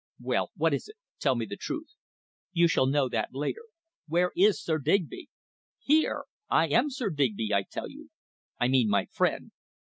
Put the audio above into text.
"Well, what is it? Tell me the truth." "You shall know that later." "Where is Sir Digby?" "Here! I am Sir Digby, I tell you." "I mean my friend."